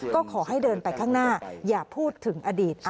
ก็ขอให้เดินไปข้างหน้าอย่าพูดถึงอดีต